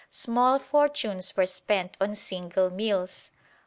Small fortunes were spent on single meals.